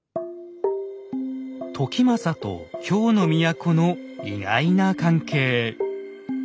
時政と京の都の意外な関係。